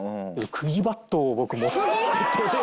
釘バットを僕持ってて。